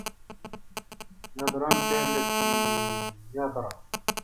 يا دار أنت التي كان الجميع بها